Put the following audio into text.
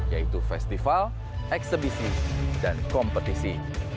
yaitu festival eksebisi dan kompetisi